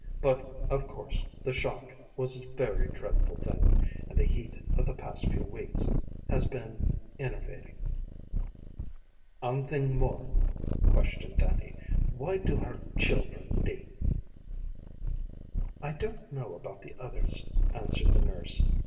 But, of course, the shock was a very dreadful thing, and the heat of the past few weeks has been enervating." "Ane thing more," questioned Dannie. "Why do her children dee?" "I don't know about the others," answered the nurse.